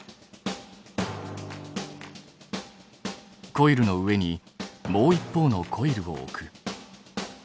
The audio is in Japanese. コイルの上にもう一方のコイルを置く。